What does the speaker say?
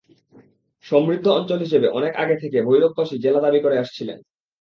সমৃদ্ধ অঞ্চল হিসেবে অনেক আগে থেকে ভৈরববাসী জেলা দাবি করে আসছিলেন।